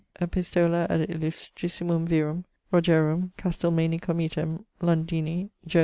epistola ad illustrissimum virum, Rogerum, Castlemaini comitem: Londini: Jo.